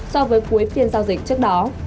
so với cuối phiên giao dịch trước đó